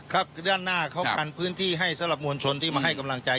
ครับคือด้านหน้าเขากันพื้นที่ให้สำหรับมวลชนที่มาให้กำลังใจ